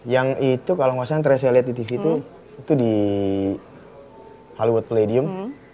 yang itu kalau gak salah terakhir saya liat di tv itu itu di hollywood palladium